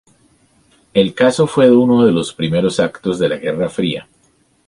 El caso fue uno de los primeros actos de la Guerra Fría.